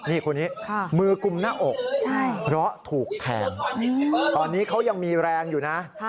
นี่คนนี้มือกุมหน้าอกเพราะถูกแทงตอนนี้เขายังมีแรงอยู่นะ